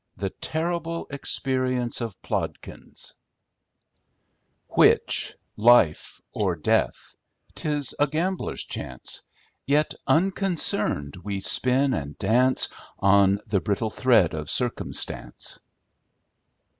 The Terrible Experience of Plodkins "Which—life or death? 'Tis a gambler's chance! Yet, unconcerned, we spin and dance, On the brittle thread of circumstance."